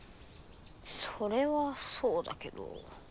それはそうだけど。